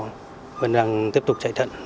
các bệnh nhân đã được chữa cho bệnh nhân